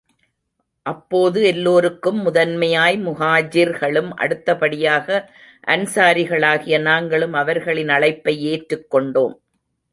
அப்போது எல்லோருக்கும் முதன்மையாய் முஹாஜிர்களும், அடுத்தபடியாக அன்ஸாரிகளாகிய நாங்களும் அவர்களின் அழைப்பை ஏற்றுக் கொண்டோம்.